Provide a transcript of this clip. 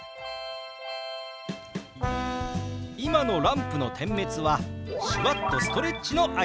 今のランプの点滅は手話っとストレッチの合図です！